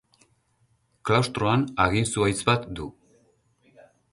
Klaustroan hagin zuhaitz bat du.